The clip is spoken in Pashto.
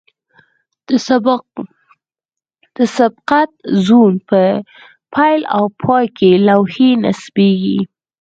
د سبقت زون په پیل او پای کې لوحې نصبیږي